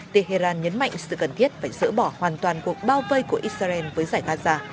tehran nhấn mạnh sự cần thiết phải dỡ bỏ hoàn toàn cuộc bao vây của israel với giải gaza